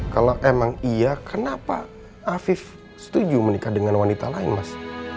kalau emang iya kenapa afif setuju menikah dengan wanita lain mas